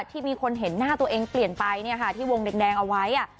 ที่มีคนเห็นหน้าตัวเองเปลี่ยนไปที่วงแดงเอาไว้